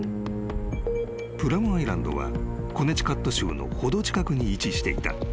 ［プラムアイランドはコネティカット州の程近くに位置していた］